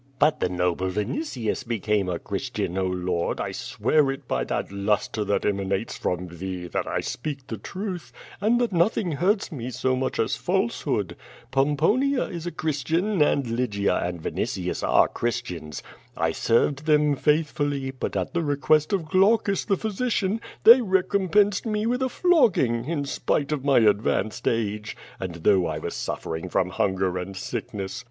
"But the noble Vinitius became a Christian, Oh Lord, I swear it by that lustre that emanates from thee that I speak the truth, and that nothing hurts me so much as falsehood. Pomponia is a Christian, and Lygia and Vinitius are Chris tians. I served them faithfully, but at the request of Glaucus, the physician, they recompensed me with a flogging, in spite of my advanced age, and though I was suffering from hunger and sickness.